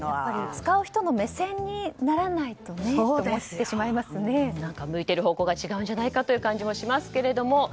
使う人の目線にならないとねと向いている方向が違うんじゃないかという気もしますが。